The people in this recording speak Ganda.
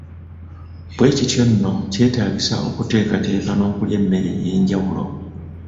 Bwe kityo nno kyetaagisa okuteekateeka n’okulya emmere ey’enjawulo.